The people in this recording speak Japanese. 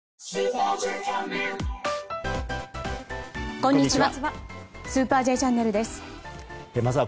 こんにちは。